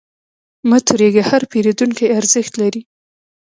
مه تریږه، هر پیرودونکی ارزښت لري.